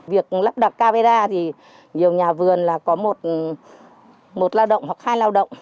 việc lắp đặt camera thì nhiều nhà vườn là có một lao động hoặc hai lao động